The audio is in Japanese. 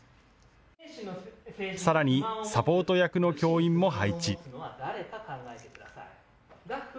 さらにサポート役の教員も配置。